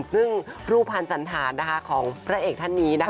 ซึ่งรูปภัณฑ์สันธารของพระเอกท่านนี้นะคะ